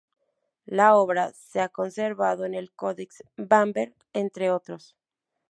La obra se ha conservado en el Codex Bamberg, entre otros.